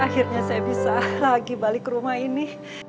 akhirnya saya bisa lagi balik ke rumah ini